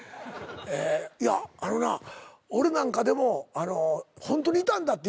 いやあのな俺なんかでも「ホントにいたんだ」ってよく言われるの。